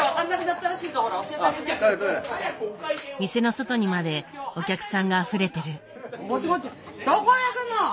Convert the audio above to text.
店の外にまでお客さんがあふれてる。